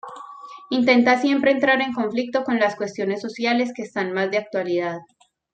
Intenta siempre entrar en conflicto con las cuestiones sociales que están más de actualidad.